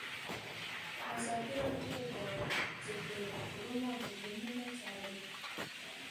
ازادي راډیو د د جګړې راپورونه بدلونونه څارلي.